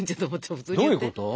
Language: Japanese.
どういうこと？